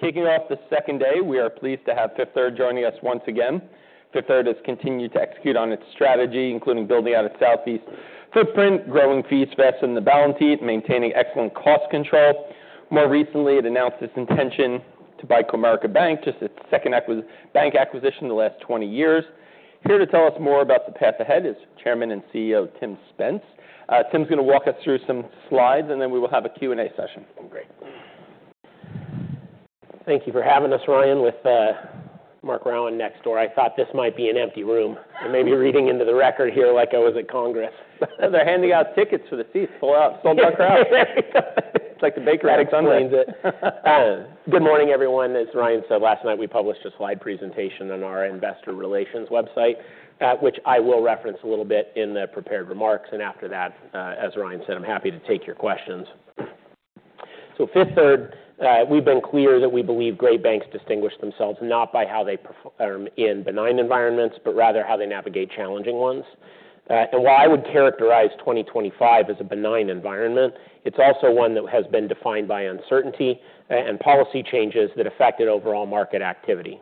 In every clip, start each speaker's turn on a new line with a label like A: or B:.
A: Kicking off the second day, we are pleased to have Fifth Third joining us once again. Fifth Third has continued to execute on its strategy, including building out its Southeast footprint, growing fees fast in the balance sheet, maintaining excellent cost control. More recently, it announced its intention to buy Comerica Bank, just its second bank acquisition in the last 20 years. Here to tell us more about the path ahead is Chairman and CEO Tim Spence. Tim's going to walk us through some slides, and then we will have a Q&A session.
B: Great. Thank you for having us, Ryan, with Marc Rowan next door. I thought this might be an empty room. I may be reading into the record here like I was at Congress.
A: They're handing out tickets for the seats. Full out, full crowd.
B: Good morning, everyone. As Ryan said last night, we published a slide presentation on our Investor Relations website, which I will reference a little bit in the prepared remarks. And after that, as Ryan said, I'm happy to take your questions. So, Fifth Third, we've been clear that we believe great banks distinguish themselves not by how they perform in benign environments, but rather how they navigate challenging ones. And while I would characterize 2025 as a benign environment, it's also one that has been defined by uncertainty and policy changes that affect overall market activity.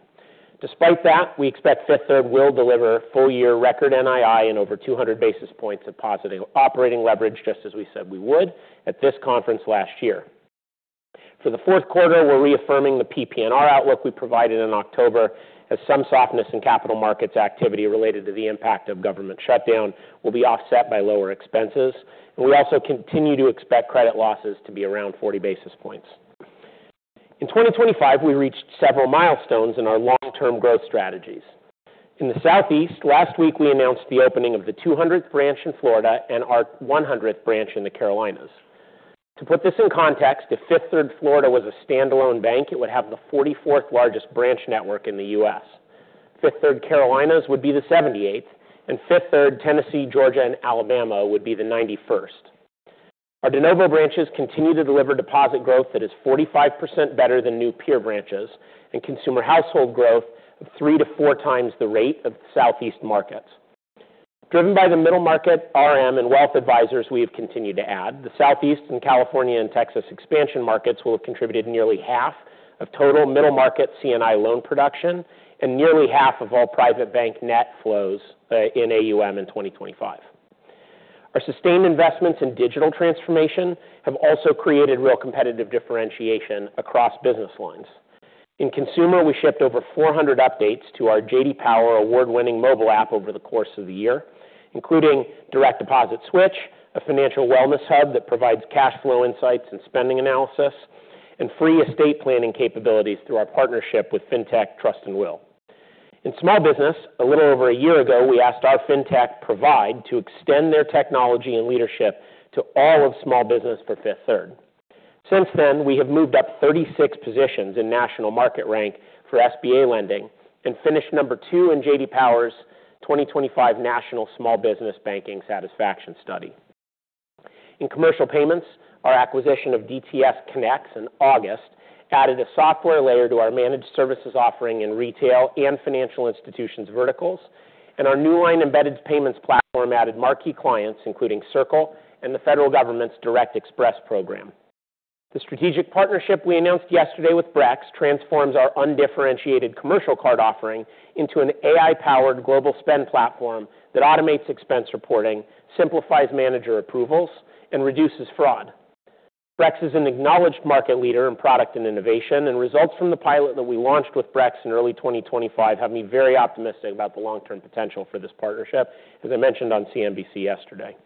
B: Despite that, we expect Fifth Third will deliver full-year record NII and over 200 basis points of positive operating leverage, just as we said we would at this conference last year. For the fourth quarter, we're reaffirming the PPNR outlook we provided in October as some softness in capital markets activity related to the impact of government shutdown will be offset by lower expenses, and we also continue to expect credit losses to be around 40 basis points. In 2025, we reached several milestones in our long-term growth strategies. In the Southeast, last week we announced the opening of the 200th branch in Florida and our 100th branch in the Carolinas. To put this in context, if Fifth Third Florida was a standalone bank, it would have the 44th largest branch network in the U.S. Fifth Third Carolinas would be the 78th, and Fifth Third Tennessee, Georgia, and Alabama would be the 91st. Our de novo branches continue to deliver deposit growth that is 45% better than new peer branches and consumer household growth of three to four times the rate of Southeast markets. Driven by the middle market, RM, and wealth advisors, we have continued to add. The Southeast and California and Texas expansion markets will have contributed nearly half of total middle market C&I loan production and nearly half of all private bank net flows in AUM in 2025. Our sustained investments in digital transformation have also created real competitive differentiation across business lines. In consumer, we shipped over 400 updates to our J.D. Power award-winning mobile app over the course of the year, including direct deposit switch, a financial wellness hub that provides cash flow insights and spending analysis, and free estate planning capabilities through our partnership with fintech Trust & Will. In small business, a little over a year ago, we asked our fintech provider to extend their technology and leadership to all of small business for Fifth Third. Since then, we have moved up 36 positions in national market rank for SBA lending and finished number two in J.D. Power's 2025 National Small Business Banking Satisfaction Study. In commercial payments, our acquisition of DTS Connex in August added a software layer to our managed services offering in retail and financial institutions verticals, and our Newline embedded payments platform added marquee clients, including Circle and the federal government's Direct Express program. The strategic partnership we announced yesterday with Brex transforms our undifferentiated commercial card offering into an AI-powered global spend platform that automates expense reporting, simplifies manager approvals, and reduces fraud. Brex is an acknowledged market leader in product and innovation, and results from the pilot that we launched with Brex in early 2025 have me very optimistic about the long-term potential for this partnership, as I mentioned on CNBC yesterday.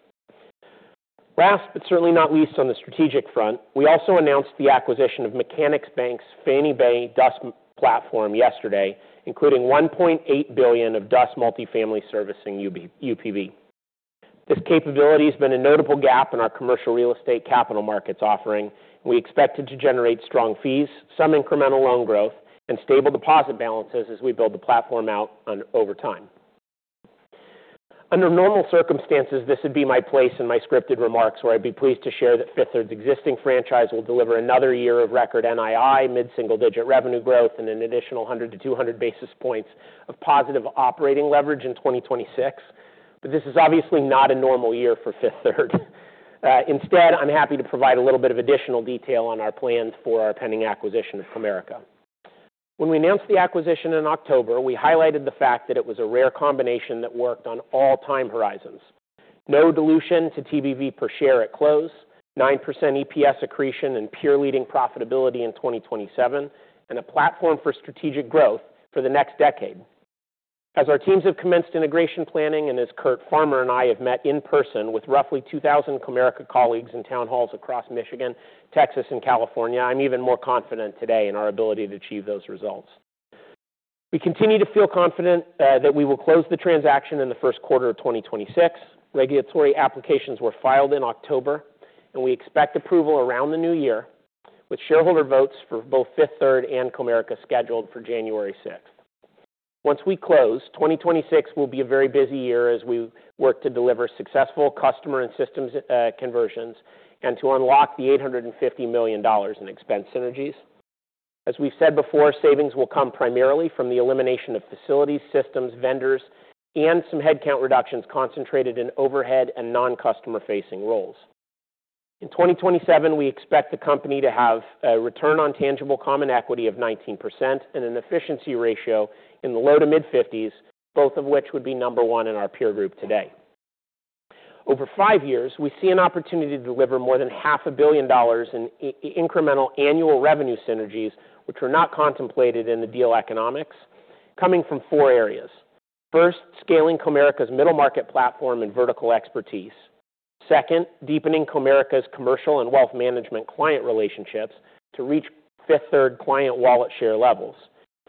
B: Last, but certainly not least, on the strategic front, we also announced the acquisition of Mechanics Bank's Fannie Mae DUS platform yesterday, including $1.8 billion of DUS multifamily servicing UPB. This capability has been a notable gap in our commercial real estate capital markets offering, and we expect it to generate strong fees, some incremental loan growth, and stable deposit balances as we build the platform out over time. Under normal circumstances, this would be my place in my scripted remarks, where I'd be pleased to share that Fifth Third's existing franchise will deliver another year of record NII, mid-single-digit revenue growth, and an additional 100-200 basis points of positive operating leverage in 2026. But this is obviously not a normal year for Fifth Third. Instead, I'm happy to provide a little bit of additional detail on our plans for our pending acquisition of Comerica. When we announced the acquisition in October, we highlighted the fact that it was a rare combination that worked on all time horizons: no dilution to TBV per share at close, 9% EPS accretion, and peer-leading profitability in 2027, and a platform for strategic growth for the next decade. As our teams have commenced integration planning, and as Curt Farmer and I have met in person with roughly 2,000 Comerica colleagues in town halls across Michigan, Texas, and California, I'm even more confident today in our ability to achieve those results. We continue to feel confident that we will close the transaction in the first quarter of 2026. Regulatory applications were filed in October, and we expect approval around the new year, with shareholder votes for both Fifth Third and Comerica scheduled for January 6th. Once we close, 2026 will be a very busy year as we work to deliver successful customer and systems conversions and to unlock the $850 million in expense synergies. As we've said before, savings will come primarily from the elimination of facilities, systems, vendors, and some headcount reductions concentrated in overhead and non-customer-facing roles. In 2027, we expect the company to have a return on tangible common equity of 19% and an efficiency ratio in the low-to-mid 50s, both of which would be number one in our peer group today. Over five years, we see an opportunity to deliver more than $500 million in incremental annual revenue synergies, which are not contemplated in the deal economics, coming from four areas. First, scaling Comerica's middle market platform and vertical expertise. Second, deepening Comerica's commercial and wealth management client relationships to reach Fifth Third client wallet share levels.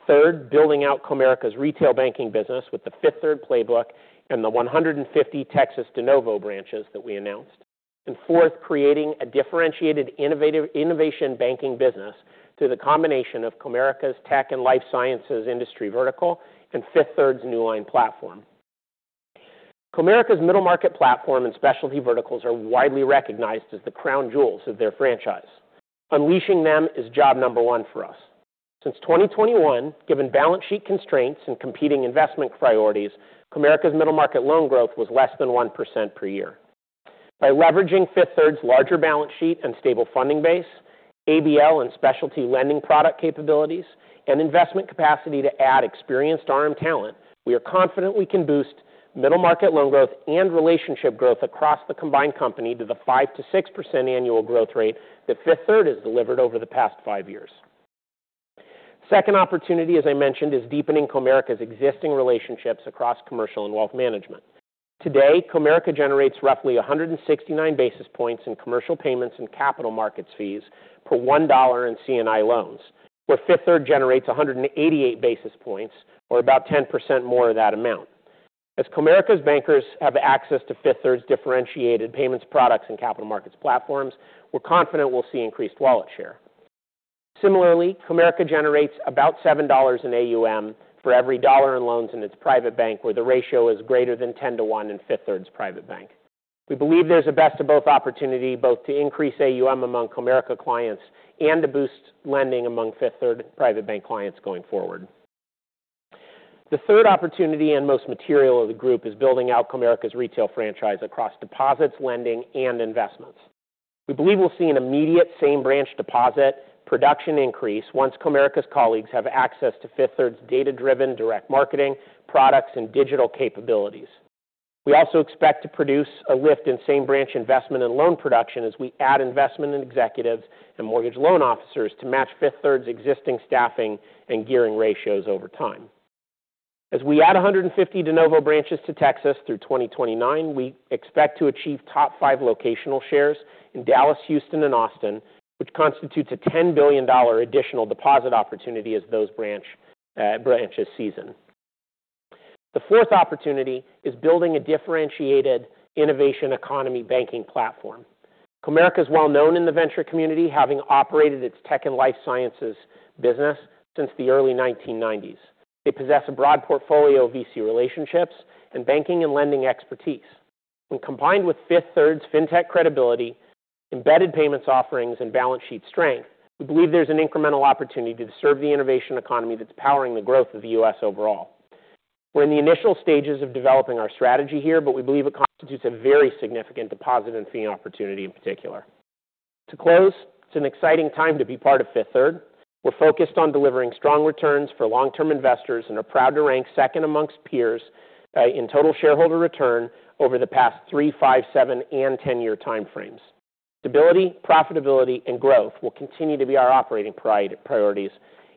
B: Third, building out Comerica's retail banking business with the Fifth Third playbook and the 150 Texas de novo branches that we announced. And fourth, creating a differentiated innovation banking business through the combination of Comerica's Tech and Life Sciences industry vertical and Fifth Third's Newline platform. Comerica's middle market platform and specialty verticals are widely recognized as the crown jewels of their franchise. Unleashing them is job number one for us. Since 2021, given balance sheet constraints and competing investment priorities, Comerica's middle market loan growth was less than 1% per year. By leveraging Fifth Third's larger balance sheet and stable funding base, ABL and specialty lending product capabilities, and investment capacity to add experienced RM talent, we are confident we can boost middle market loan growth and relationship growth across the combined company to the 5%-6% annual growth rate that Fifth Third has delivered over the past five years. Second opportunity, as I mentioned, is deepening Comerica's existing relationships across commercial and wealth management. Today, Comerica generates roughly 169 basis points in commercial payments and capital markets fees per $1 in C&I loans, where Fifth Third generates 188 basis points, or about 10% more of that amount. As Comerica's bankers have access to Fifth Third's differentiated payments products and capital markets platforms, we're confident we'll see increased wallet share. Similarly, Comerica generates about $7 in AUM for every dollar in loans in its private bank, where the ratio is greater than 10 to 1 in Fifth Third's private bank. We believe there's a best of both opportunity, both to increase AUM among Comerica clients and to boost lending among Fifth Third private bank clients going forward. The third opportunity and most material of the group is building out Comerica's retail franchise across deposits, lending, and investments. We believe we'll see an immediate same-branch deposit production increase once Comerica's colleagues have access to Fifth Third's data-driven direct marketing, products, and digital capabilities. We also expect to produce a lift in same-branch investment and loan production as we add investment in executives and mortgage loan officers to match Fifth Third's existing staffing and gearing ratios over time. As we add 150 de novo branches to Texas through 2029, we expect to achieve top five locational shares in Dallas, Houston, and Austin, which constitutes a $10 billion additional deposit opportunity as those branches season. The fourth opportunity is building a differentiated innovation economy banking platform. Comerica is well known in the venture community, having operated its Tech and Life Sciences business since the early 1990s. They possess a broad portfolio of VC relationships and banking and lending expertise. When combined with Fifth Third's fintech credibility, embedded payments offerings, and balance sheet strength, we believe there's an incremental opportunity to serve the innovation economy that's powering the growth of the U.S. overall. We're in the initial stages of developing our strategy here, but we believe it constitutes a very significant deposit and fee opportunity in particular. To close, it's an exciting time to be part of Fifth Third. We're focused on delivering strong returns for long-term investors and are proud to rank second amongst peers in total shareholder return over the past three, five, seven, and ten-year timeframes. Stability, profitability, and growth will continue to be our operating priorities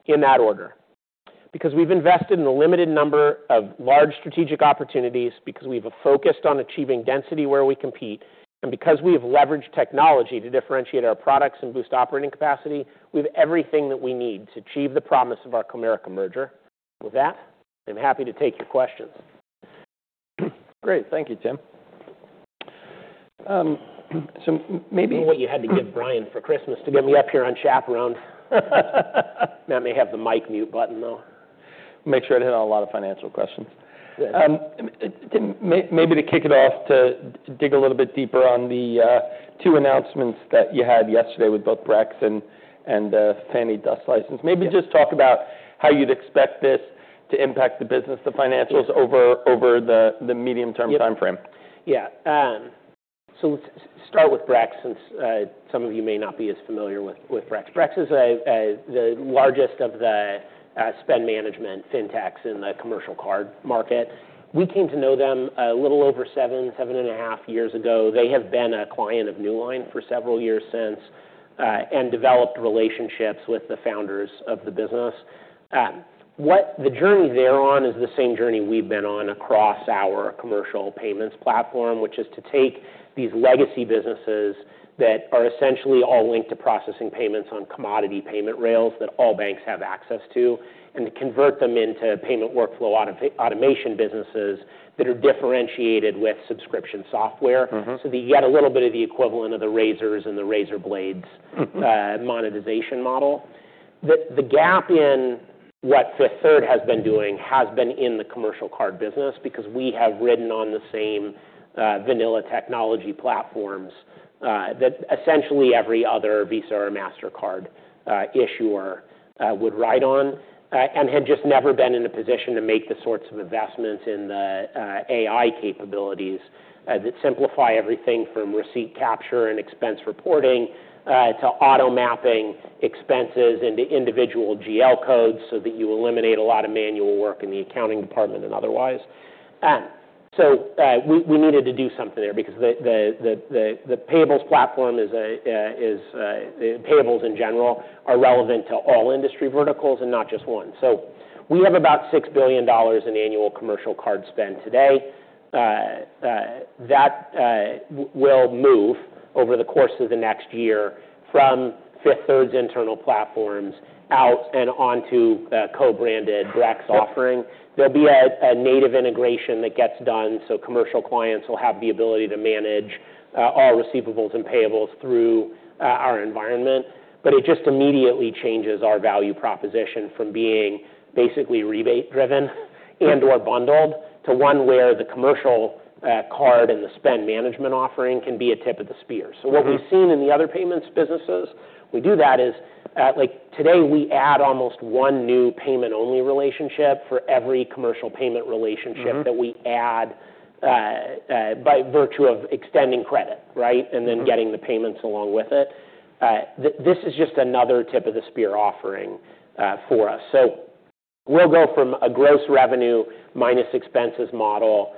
B: in that order. Because we've invested in a limited number of large strategic opportunities, because we've focused on achieving density where we compete, and because we have leveraged technology to differentiate our products and boost operating capacity, we have everything that we need to achieve the promise of our Comerica merger. With that, I'm happy to take your questions.
A: Great. Thank you, Tim. So maybe.
B: What you had to give Ryan for Christmas to get me up here on chaperone? Matt may have the mic mute button, though.
A: Make sure to hit a lot of financial questions. Maybe to kick it off, to dig a little bit deeper on the two announcements that you had yesterday with both Brex and Fannie Mae DUS license, maybe just talk about how you'd expect this to impact the business, the financials over the medium-term timeframe.
B: Yeah. So let's start with Brex, since some of you may not be as familiar with Brex. Brex is the largest of the spend management fintechs in the commercial card market. We came to know them a little over seven, seven and a half years ago. They have been a client of Newline for several years since and developed relationships with the founders of the business. The journey they're on is the same journey we've been on across our commercial payments platform, which is to take these legacy businesses that are essentially all linked to processing payments on commodity payment rails that all banks have access to and to convert them into payment workflow automation businesses that are differentiated with subscription software. So you get a little bit of the equivalent of the razors and the razor blades monetization model. The gap in what Fifth Third has been doing has been in the commercial card business because we have ridden on the same vanilla technology platforms that essentially every other Visa or Mastercard issuer would ride on and had just never been in a position to make the sorts of investments in the AI capabilities that simplify everything from receipt capture and expense reporting to auto mapping expenses into individual GL codes so that you eliminate a lot of manual work in the accounting department and otherwise. So we needed to do something there because the payables platform is payables in general are relevant to all industry verticals and not just one. So we have about $6 billion in annual commercial card spend today. That will move over the course of the next year from Fifth Third's internal platforms out and onto the co-branded Brex offering. There'll be a native integration that gets done, so commercial clients will have the ability to manage all receivables and payables through our environment. But it just immediately changes our value proposition from being basically rebate-driven and/or bundled to one where the commercial card and the spend management offering can be a tip of the spear. So what we've seen in the other payments businesses we do, that is, today we add almost one new payment-only relationship for every commercial payment relationship that we add by virtue of extending credit, right, and then getting the payments along with it. This is just another tip of the spear offering for us. So we'll go from a gross revenue minus expenses model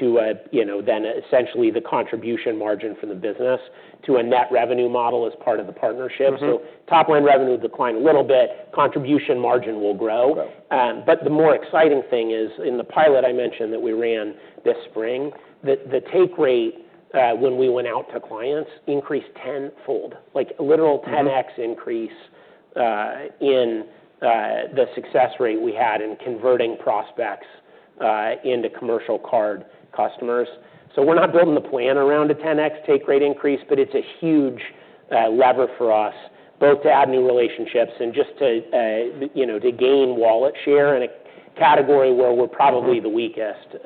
B: to then essentially the contribution margin for the business to a net revenue model as part of the partnership. So top line revenue will decline a little bit, contribution margin will grow. But the more exciting thing is in the pilot I mentioned that we ran this spring, the take rate when we went out to clients increased tenfold, like a literal 10x increase in the success rate we had in converting prospects into commercial card customers. So we're not building the plan around a 10x take rate increase, but it's a huge lever for us both to add new relationships and just to gain wallet share in a category where we're probably the weakest.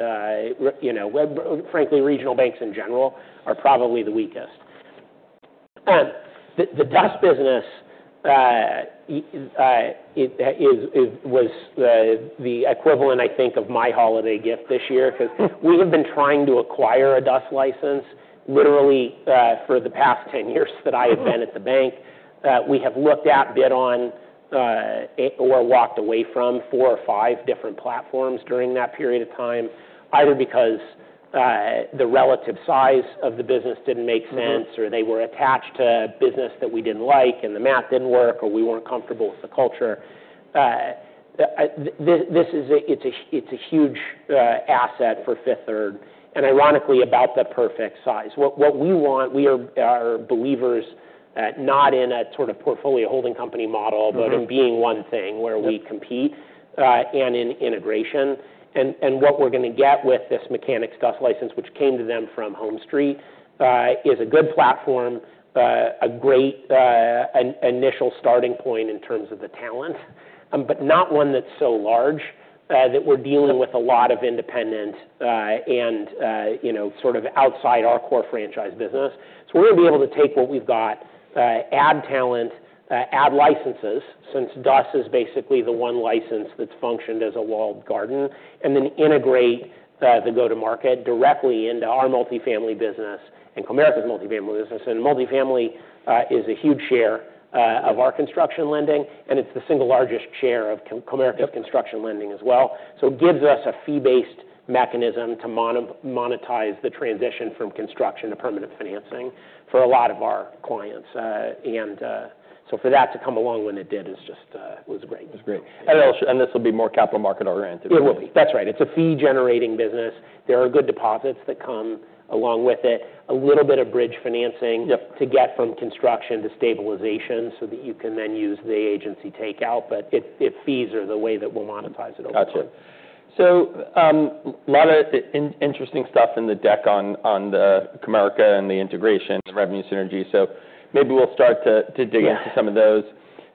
B: Frankly, regional banks in general are probably the weakest. The DUS business was the equivalent, I think, of my holiday gift this year because we have been trying to acquire a DUS license literally for the past 10 years that I have been at the bank. We have looked at, bid on, or walked away from four or five different platforms during that period of time, either because the relative size of the business didn't make sense or they were attached to a business that we didn't like and the math didn't work or we weren't comfortable with the culture. This is a huge asset for Fifth Third and ironically about the perfect size. What we want, we are believers not in a sort of portfolio holding company model, but in being one thing where we compete and in integration, and what we're going to get with this Mechanics DUS license, which came to them from HomeStreet, is a good platform, a great initial starting point in terms of the talent, but not one that's so large that we're dealing with a lot of independent and sort of outside our core franchise business. So we're going to be able to take what we've got, add talent, add licenses since DUS is basically the one license that's functioned as a walled garden, and then integrate the go-to-market directly into our multifamily business and Comerica's multifamily business. And multifamily is a huge share of our construction lending, and it's the single largest share of Comerica's construction lending as well. So it gives us a fee-based mechanism to monetize the transition from construction to permanent financing for a lot of our clients. And so for that to come along when it did is just great. It was great,
A: and this will be more capital market oriented.
B: It will be. That's right. It's a fee-generating business. There are good deposits that come along with it, a little bit of bridge financing to get from construction to stabilization so that you can then use the agency takeout, but fees are the way that we'll monetize it over time.
A: Gotcha. So a lot of interesting stuff in the deck on the Comerica and the integration, the revenue synergy. So maybe we'll start to dig into some of those.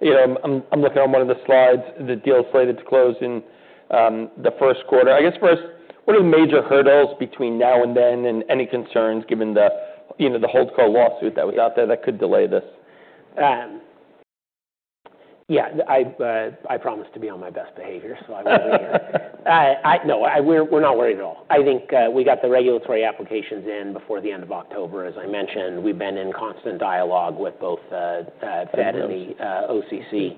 A: I'm looking on one of the slides, the deal slated to close in the first quarter. I guess first, what are the major hurdles between now and then and any concerns given the Hold lawsuit that was out there that could delay this?
B: Yeah. I promised to be on my best behavior, so I won't be here. No, we're not worried at all. I think we got the regulatory applications in before the end of October. As I mentioned, we've been in constant dialogue with both Fed and the OCC.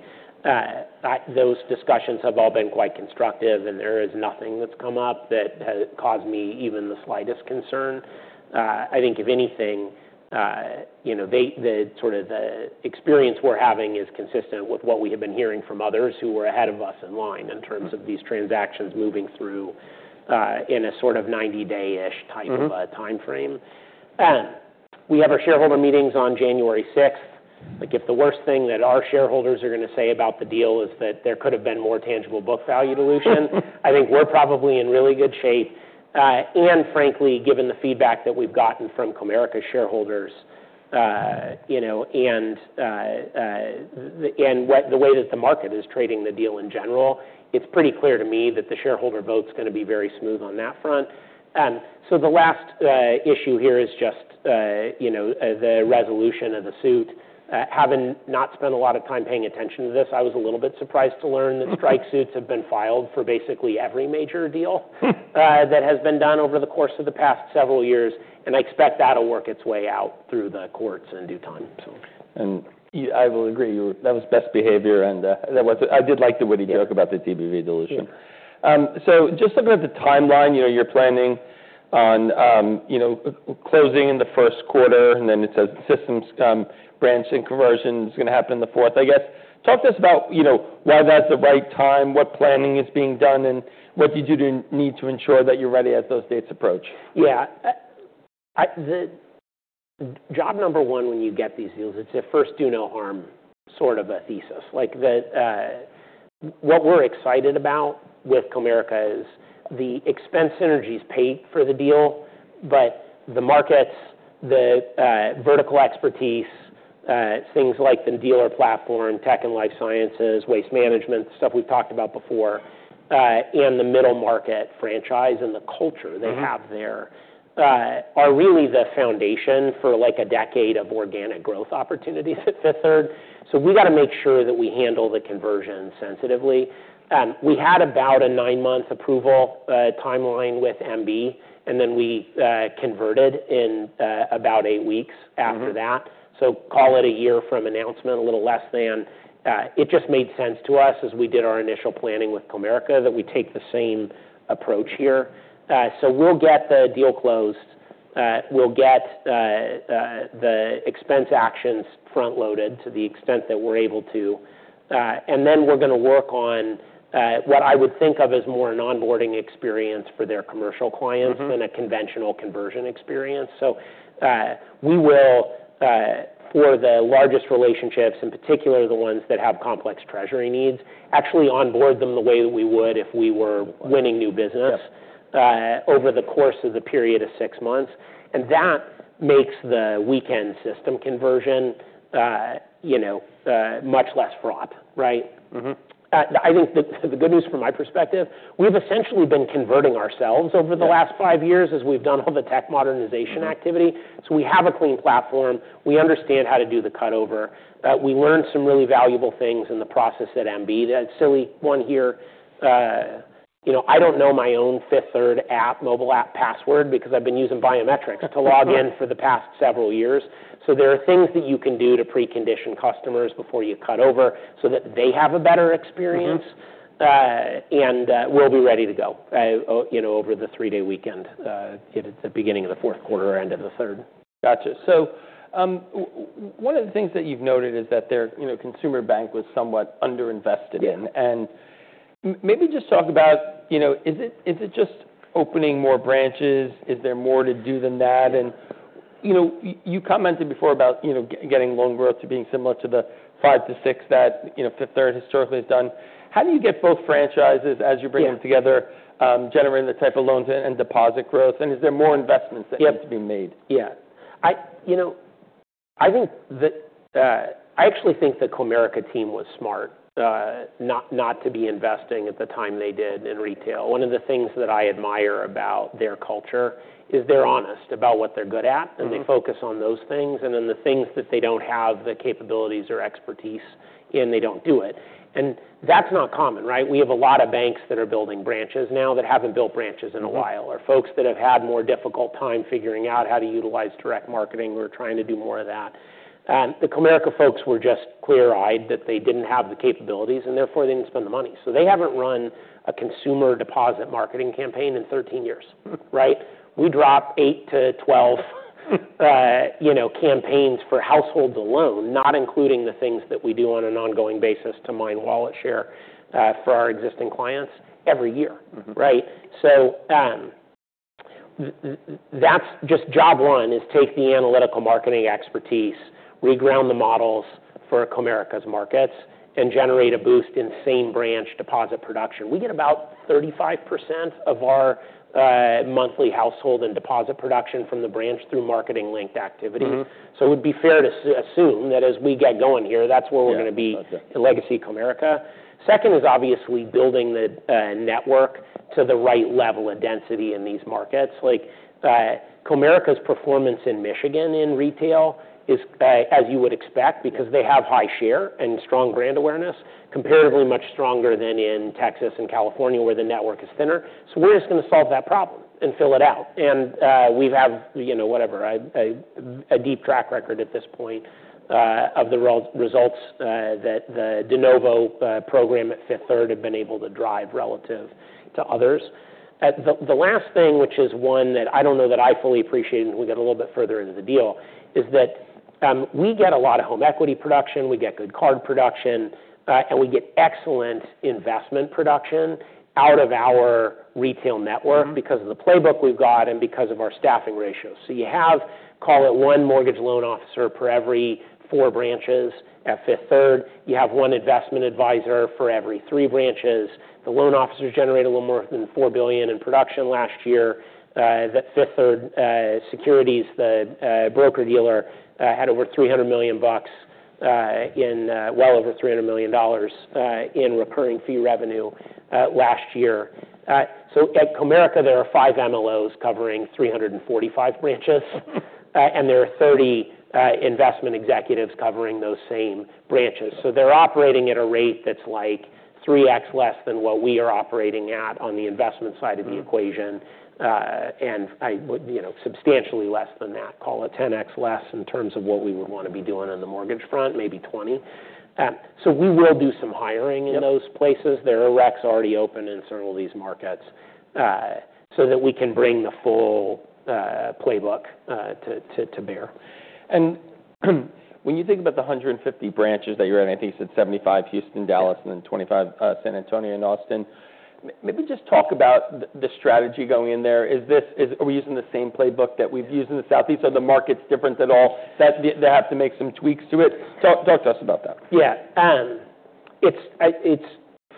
B: Those discussions have all been quite constructive, and there is nothing that's come up that has caused me even the slightest concern. I think if anything, sort of the experience we're having is consistent with what we have been hearing from others who were ahead of us in line in terms of these transactions moving through in a sort of 90-day-ish type of timeframe. We have our shareholder meetings on January 6th. If the worst thing that our shareholders are going to say about the deal is that there could have been more tangible book value dilution, I think we're probably in really good shape, and frankly, given the feedback that we've gotten from Comerica shareholders and the way that the market is trading the deal in general, it's pretty clear to me that the shareholder vote is going to be very smooth on that front, so the last issue here is just the resolution of the suit. Having not spent a lot of time paying attention to this, I was a little bit surprised to learn that strike suits have been filed for basically every major deal that has been done over the course of the past several years, and I expect that will work its way out through the courts in due time.
A: And I will agree. That was best behavior. And I did like the witty joke about the TBV dilution. So just looking at the timeline, you're planning on closing in the first quarter, and then it says systems come, branch and conversion is going to happen the fourth. I guess talk to us about why that's the right time, what planning is being done, and what do you need to ensure that you're ready as those dates approach?
B: Yeah. Job number one when you get these deals, it's a first-do-no-harm sort of a thesis. What we're excited about with Comerica is the expense synergy is paid for the deal, but the markets, the vertical expertise, things like the dealer platform, Tech and Life Sciences, waste management, stuff we've talked about before, and the middle market franchise and the culture they have there are really the foundation for like a decade of organic growth opportunities at Fifth Third, so we got to make sure that we handle the conversion sensitively. We had about a nine-month approval timeline with MB, and then we converted in about eight weeks after that, so call it a year from announcement, a little less than. It just made sense to us as we did our initial planning with Comerica that we take the same approach here, so we'll get the deal closed. We'll get the expense actions front-loaded to the extent that we're able to, and then we're going to work on what I would think of as more an onboarding experience for their commercial clients than a conventional conversion experience, so we will, for the largest relationships, in particular the ones that have complex treasury needs, actually onboard them the way that we would if we were winning new business over the course of the period of six months, and that makes the weekend system conversion much less fraught, right? I think the good news from my perspective, we've essentially been converting ourselves over the last five years as we've done all the tech modernization activity, so we have a clean platform. We understand how to do the cutover. We learned some really valuable things in the process at MB. That silly one here, I don't know my own Fifth Third mobile app password because I've been using biometrics to log in for the past several years. So there are things that you can do to precondition customers before you cut over so that they have a better experience and we'll be ready to go over the three-day weekend at the beginning of the fourth quarter or end of the third.
A: Gotcha. So one of the things that you've noted is that their consumer bank was somewhat underinvested in. And maybe just talk about, is it just opening more branches? Is there more to do than that? And you commented before about getting loan growth to being similar to the five to six that Fifth Third historically has done. How do you get both franchises as you bring them together, generating the type of loans and deposit growth? And is there more investments that need to be made?
B: Yeah. I actually think the Comerica team was smart not to be investing at the time they did in retail. One of the things that I admire about their culture is they're honest about what they're good at, and they focus on those things, and then the things that they don't have the capabilities or expertise in, they don't do it, and that's not common, right? We have a lot of banks that are building branches now that haven't built branches in a while or folks that have had more difficult time figuring out how to utilize direct marketing or trying to do more of that. The Comerica folks were just clear-eyed that they didn't have the capabilities, and therefore they didn't spend the money, so they haven't run a consumer deposit marketing campaign in 13 years, right? We dropped eight-12 campaigns for households alone, not including the things that we do on an ongoing basis to mine wallet share for our existing clients every year, right? So that's just job one is take the analytical marketing expertise, reground the models for Comerica's markets, and generate a boost in same branch deposit production. We get about 35% of our monthly household and deposit production from the branch through marketing-linked activity. So it would be fair to assume that as we get going here, that's where we're going to be in legacy Comerica. Second is obviously building the network to the right level of density in these markets. Comerica's performance in Michigan in retail is, as you would expect, because they have high share and strong brand awareness, comparatively much stronger than in Texas and California where the network is thinner. So we're just going to solve that problem and fill it out. And we have whatever, a deep track record at this point of the results that the de novo program at Fifth Third have been able to drive relative to others. The last thing, which is one that I don't know that I fully appreciate, and we got a little bit further into the deal, is that we get a lot of home equity production, we get good card production, and we get excellent investment production out of our retail network because of the playbook we've got and because of our staffing ratios. So you have, call it one mortgage loan officer for every four branches at Fifth Third. You have one investment advisor for every three branches. The loan officers generate a little more than $4 billion in production last year. Fifth Third Securities, the broker-dealer, had over $300 million bucks in, well over $300 million dollars in recurring fee revenue last year. So at Comerica, there are five MLOs covering 345 branches, and there are 30 investment executives covering those same branches. So they're operating at a rate that's like 3x less than what we are operating at on the investment side of the equation and substantially less than that, call it 10x less in terms of what we would want to be doing on the mortgage front, maybe 20. So we will do some hiring in those places. There are recs already open in several of these markets so that we can bring the full playbook to bear.
A: and when you think about the 150 branches that you're at, I think you said 75 Houston, Dallas, and then 25 San Antonio and Austin. Maybe just talk about the strategy going in there. Are we using the same playbook that we've used in the Southeast? Are the markets different at all that they have to make some tweaks to it? Talk to us about that.
B: Yeah. It's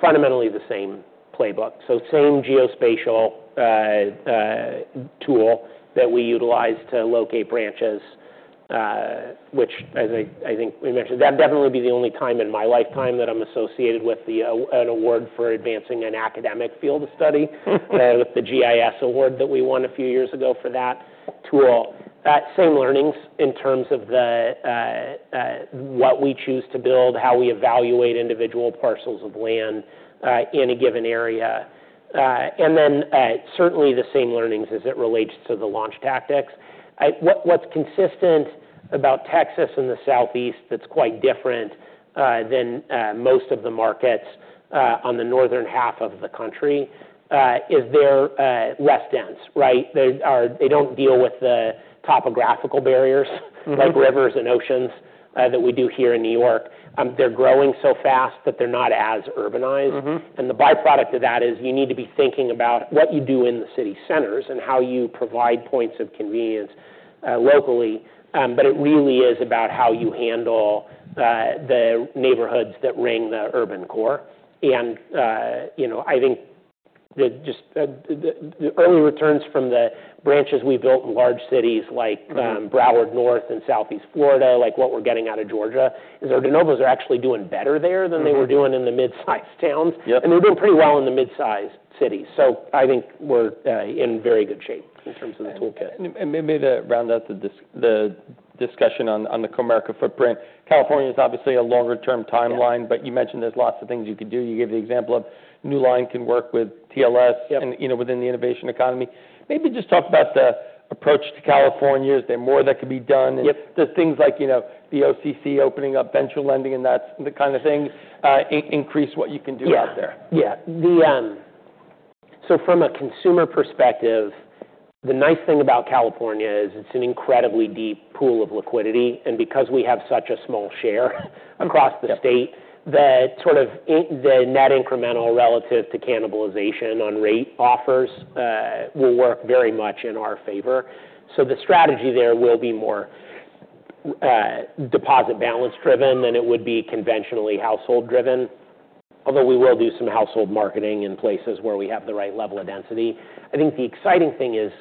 B: fundamentally the same playbook. So same geospatial tool that we utilize to locate branches, which I think we mentioned. That would definitely be the only time in my lifetime that I'm associated with an award for advancing an academic field of study with the GIS Award that we won a few years ago for that tool. Same learnings in terms of what we choose to build, how we evaluate individual parcels of land in a given area. And then certainly the same learnings as it relates to the launch tactics. What's consistent about Texas and the Southeast that's quite different than most of the markets on the northern half of the country is they're less dense, right? They don't deal with the topographical barriers like rivers and oceans that we do here in New York. They're growing so fast that they're not as urbanized. And the byproduct of that is you need to be thinking about what you do in the city centers and how you provide points of convenience locally. But it really is about how you handle the neighborhoods that ring the urban core. And I think just the early returns from the branches we built in large cities like Broward County and Southeast Florida, like what we're getting out of Georgia, is our de novos are actually doing better there than they were doing in the mid-sized towns. And they're doing pretty well in the mid-sized cities. So I think we're in very good shape in terms of the toolkit.
A: And maybe to round out the discussion on the Comerica footprint, California is obviously a longer-term timeline, but you mentioned there's lots of things you could do. You gave the example of Newline can work with TLS within the innovation economy. Maybe just talk about the approach to California. Is there more that could be done? And the things like the OCC opening up venture lending and that kind of thing increase what you can do out there?
B: Yeah. So from a consumer perspective, the nice thing about California is it's an incredibly deep pool of liquidity. And because we have such a small share across the state, the sort of net incremental relative to cannibalization on rate offers will work very much in our favor. So the strategy there will be more deposit balance driven than it would be conventionally household driven, although we will do some household marketing in places where we have the right level of density. I think the exciting thing is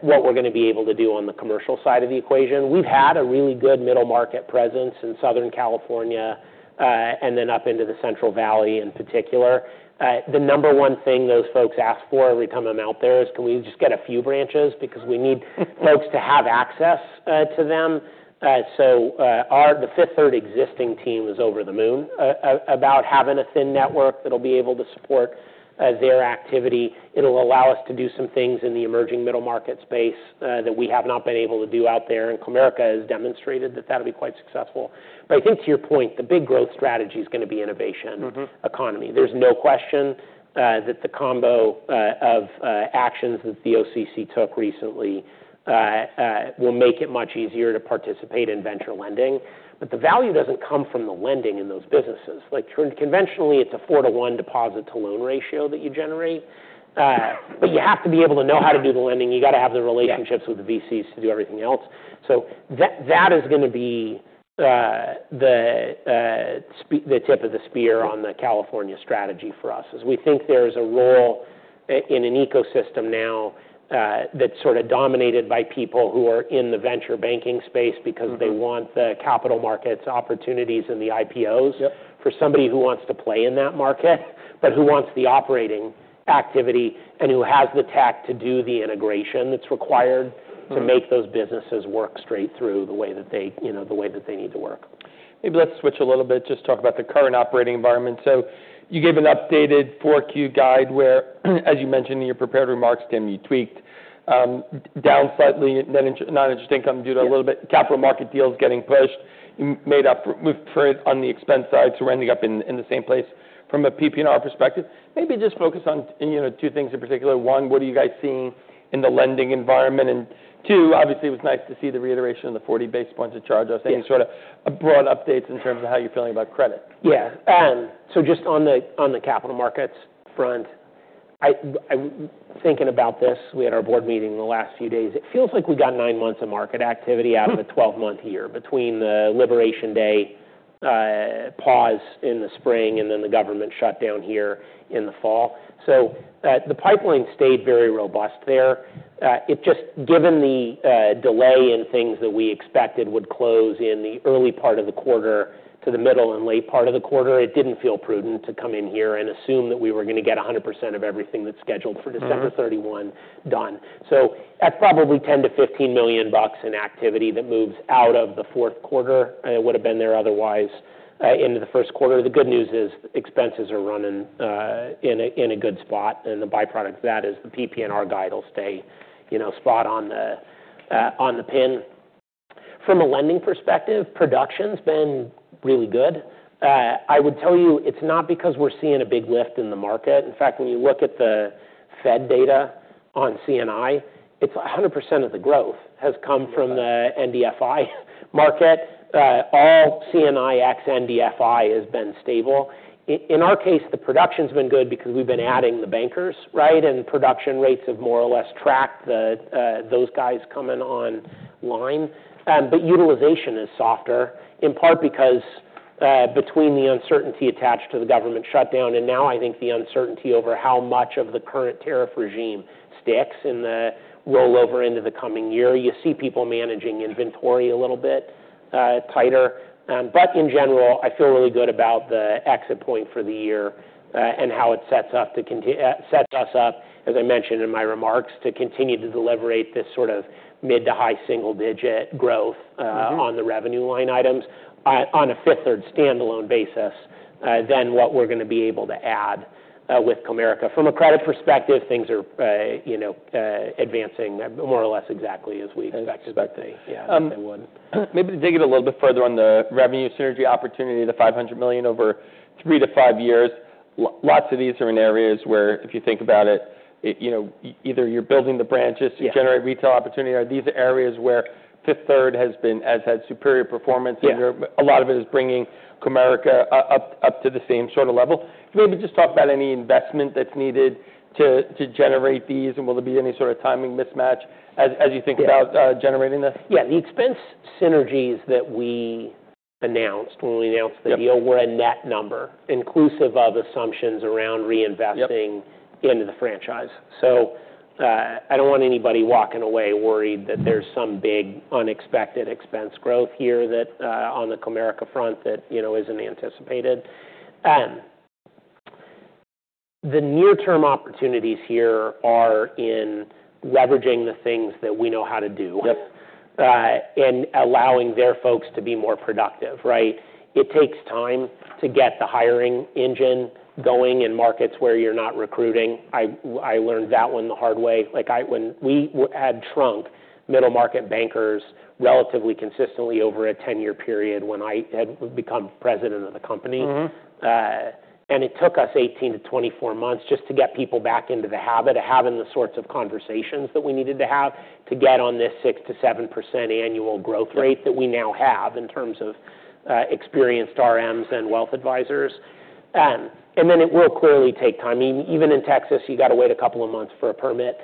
B: what we're going to be able to do on the commercial side of the equation. We've had a really good middle market presence in Southern California and then up into the Central Valley in particular. The number one thing those folks ask for every time I'm out there is, can we just get a few branches? Because we need folks to have access to them. So the Fifth Third existing team is over the moon about having a thin network that will be able to support their activity. It'll allow us to do some things in the emerging middle market space that we have not been able to do out there. And Comerica has demonstrated that that'll be quite successful. But I think to your point, the big growth strategy is going to be innovation economy. There's no question that the combo of actions that the OCC took recently will make it much easier to participate in venture lending. But the value doesn't come from the lending in those businesses. Conventionally, it's a 4 to 1 deposit to loan ratio that you generate. But you have to be able to know how to do the lending. You got to have the relationships with the VCs to do everything else. So that is going to be the tip of the spear on the California strategy for us, is we think there is a role in an ecosystem now that's sort of dominated by people who are in the venture banking space because they want the capital markets opportunities and the IPOs for somebody who wants to play in that market, but who wants the operating activity and who has the tech to do the integration that's required to make those businesses work straight through the way that they need to work.
A: Maybe let's switch a little bit, just talk about the current operating environment. So you gave an updated Q4 guide where, as you mentioned in your prepared remarks, Tim, you tweaked down slightly non-interest income due to a little bit capital market deals getting pushed. You moved for it on the expense side, so we're ending up in the same place from a PPR perspective. Maybe just focus on two things in particular. One, what are you guys seeing in the lending environment? And two, obviously, it was nice to see the reiteration of the 40 basis points of charge. I was thinking sort of broad updates in terms of how you're feeling about credit.
B: Yeah. So just on the capital markets front, thinking about this, we had our board meeting in the last few days. It feels like we got nine months of market activity out of a 12-month year between the Liberation Day pause in the spring and then the government shutdown here in the fall. So the pipeline stayed very robust there. It just, given the delay in things that we expected would close in the early part of the quarter to the middle and late part of the quarter, it didn't feel prudent to come in here and assume that we were going to get 100% of everything that's scheduled for December 31 done. So that's probably $10-$15 million in activity that moves out of the fourth quarter. It would have been there otherwise into the first quarter. The good news is expenses are running in a good spot, and the byproduct of that is the PPNR guide will stay spot on the pin. From a lending perspective, production's been really good. I would tell you it's not because we're seeing a big lift in the market. In fact, when you look at the Fed data on C&I, 100% of the growth has come from the NDFI market. All C&I ex NDFI has been stable. In our case, the production's been good because we've been adding the bankers, right, and production rates have more or less tracked those guys coming online, but utilization is softer, in part because between the uncertainty attached to the government shutdown and now I think the uncertainty over how much of the current tariff regime sticks and the rollover into the coming year, you see people managing inventory a little bit tighter. But in general, I feel really good about the exit point for the year and how it sets us up, as I mentioned in my remarks, to continue to deliberate this sort of mid to high single-digit growth on the revenue line items on a Fifth Third standalone basis than what we're going to be able to add with Comerica. From a credit perspective, things are advancing more or less exactly as we expected.
A: Maybe to dig it a little bit further on the revenue synergy opportunity, the $500 million over three to five years, lots of these are in areas where if you think about it, either you're building the branches to generate retail opportunity. These are areas where Fifth Third has had superior performance and a lot of it is bringing Comerica up to the same sort of level. Maybe just talk about any investment that's needed to generate these and will there be any sort of timing mismatch as you think about generating this?
B: Yeah. The expense synergies that we announced when we announced the deal were a net number, inclusive of assumptions around reinvesting into the franchise. So I don't want anybody walking away worried that there's some big unexpected expense growth here on the Comerica front that isn't anticipated. The near-term opportunities here are in leveraging the things that we know how to do and allowing their folks to be more productive, right? It takes time to get the hiring engine going in markets where you're not recruiting. I learned that one the hard way. We had strong middle market bankers relatively consistently over a 10-year period when I had become president of the company. And it took us 18-24 months just to get people back into the habit of having the sorts of conversations that we needed to have to get on this 6%-7% annual growth rate that we now have in terms of experienced RMs and wealth advisors. And then it will clearly take time. Even in Texas, you got to wait a couple of months for a permit,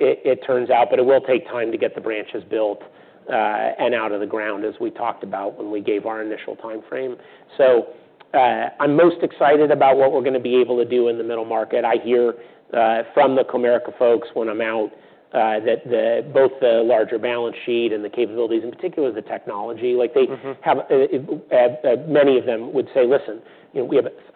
B: it turns out, but it will take time to get the branches built and out of the ground, as we talked about when we gave our initial timeframe. So I'm most excited about what we're going to be able to do in the middle market. I hear from the Comerica folks when I'm out that both the larger balance sheet and the capabilities, in particular, the technology, many of them would say, "Listen, I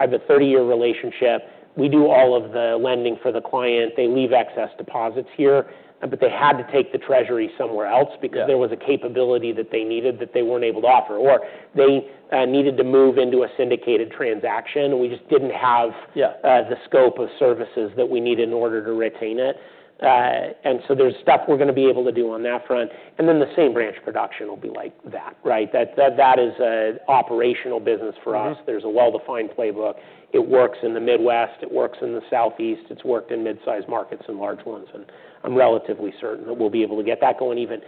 B: have a 30-year relationship. We do all of the lending for the client. They leave excess deposits here," but they had to take the treasury somewhere else because there was a capability that they needed that they weren't able to offer, or they needed to move into a syndicated transaction. We just didn't have the scope of services that we need in order to retain it, and so there's stuff we're going to be able to do on that front, and then the same branch production will be like that, right? That is an operational business for us. There's a well-defined playbook. It works in the Midwest. It works in the Southeast. It's worked in mid-sized markets and large ones, and I'm relatively certain that we'll be able to get that going even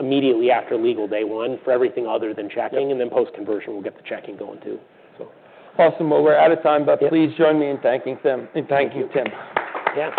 B: immediately after legal day one for everything other than checking, and then post-conversion, we'll get the checking going too.
A: Awesome. Well, we're out of time, but please join me in thanking Tim. Thank you, Tim.
B: Yeah.